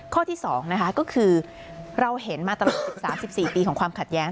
ข้อที่๒นะคะก็คือเราเห็นมาตลอด๑๓๑๔ปีของความขัดแย้ง